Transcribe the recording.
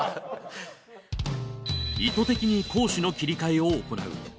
意図的に攻守の切り替えを行う。